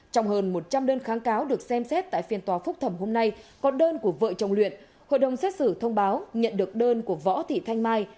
trong hơn một trăm linh đơn kháng cáo được xem xét tại phiên tòa phúc thẩm hôm nay có đơn của vợ chồng luyện hội đồng xét xử thông báo nhận được đơn của võ thị thanh mai